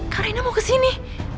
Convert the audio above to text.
karina mau kesini